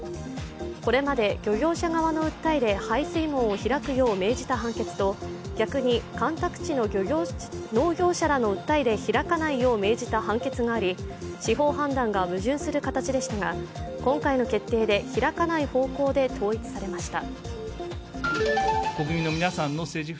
これまで漁業者側の訴えで排水門を開くよう命じた判決と逆に干拓地の農業者らの訴えで開かないよう命じた判決があり司法判断が矛盾する形でしたが今回の決定で開かない方向で統一されました。